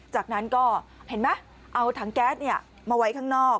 จากนั้นก็เอาถังแก๊สมาไว้ข้างนอก